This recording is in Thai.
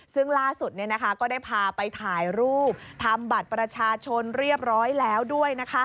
ซึ่งล่าสุดก็ได้พาไปถ่ายรูปทำบัตรประชาชนเรียบร้อยแล้วด้วย